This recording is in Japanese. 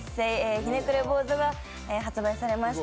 「ひねくれぼうず」が発売されました。